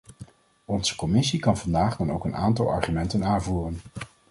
Onze commissie kan vandaag dan ook een aantal argumenten aanvoeren.